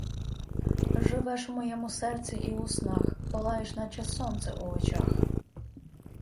Живеш в моєму серці і у снах, Палаєш наче Сонце у очах.